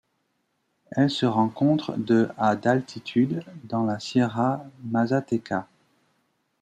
Elle se rencontre de à d'altitude dans la Sierra Mazateca.